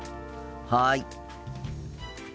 はい。